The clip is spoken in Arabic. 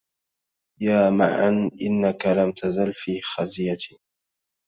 يا معن إنك لم تزل في خزية